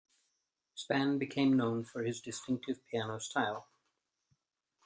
Spann became known for his distinctive piano style.